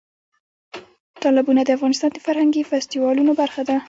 تالابونه د افغانستان د فرهنګي فستیوالونو برخه ده.